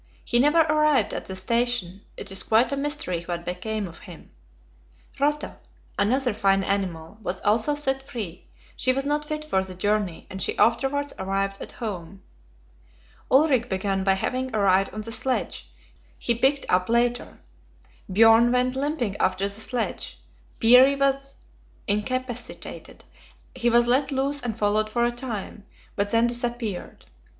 He never arrived at the station; it is quite a mystery what became of him. Rotta, another fine animal, was also set free; she was not fit for the journey, and she afterwards arrived at home. Ulrik began by having a ride on the sledge; he picked up later. Björn went limping after the sledge. Peary was incapacitated; he was let loose and followed for a time, but then disappeared.